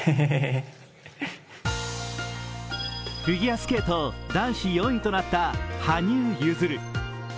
フィギュアスケート男子４位となった羽生結弦。